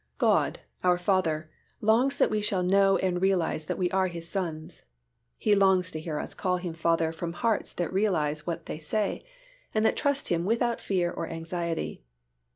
God, our Father, longs that we shall know and realize that we are His sons. He longs to hear us call Him Father from hearts that realize what they say, and that trust Him without a fear or anxiety.